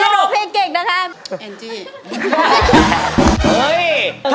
เรียนรอพี่เก่งนะคะ